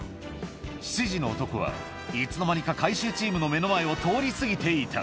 ７時の男は、いつの間にか回収チームの目の前を通り過ぎていた。